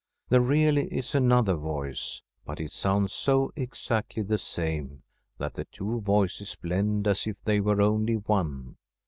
There really is another voice, but it sounds so exactly the same that the two voices blend as if they were only one.